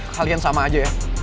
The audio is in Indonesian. kalian sama aja ya